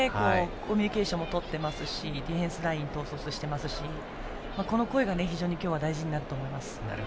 コミュニケーションもとっていますしディフェンスラインも統率していますしこの声が非常に今日は大事になると思います。